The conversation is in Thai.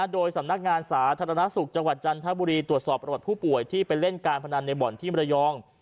โดยสำนักงานสาธารณสุขจังหวัดจันทบุรีตรวจสอบประวัติผู้ป่วยที่ไปเล่นการพนันในบ่อนที่มรยอง